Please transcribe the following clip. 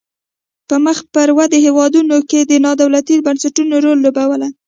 په مخ پر ودې هیوادونو کې نا دولتي بنسټونو رول لوبولای.